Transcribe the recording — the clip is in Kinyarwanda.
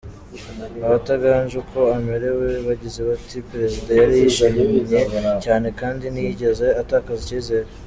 Abatangaje uko amerewe bagize bati “ Perezida yari yishimye cyane kandi ntiyigeze atakaza icyizere .